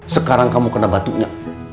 sekarang kamu kena batunya